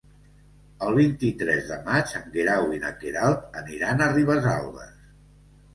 El vint-i-tres de maig en Guerau i na Queralt aniran a Ribesalbes.